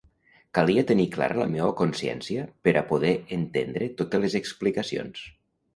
Calia tenir clara la meua consciència per a poder entendre totes les explicacions.